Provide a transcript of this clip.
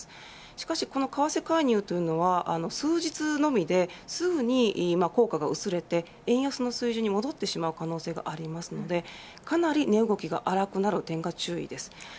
しかし、この為替介入というのは数日のみですぐに効果が薄れて円安の水準に戻ってしまう可能性があるのでかなり値動きが荒くなる点が注意です。